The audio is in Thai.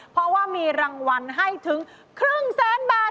เพราะว่ามีรางวัลให้ถึงครึ่งแสนบาท